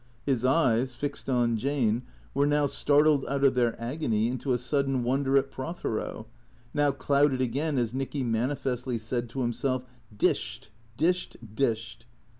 His eyes, fixed on Jane, were now startled out of their agony into a sudden wonder at Prothero, now clouded again as Nicky manifestly said to himself, " Dished, dished, dished."